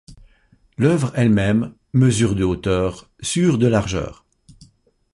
L'oeuvre elle-même mesure de hauteur sur de largeur.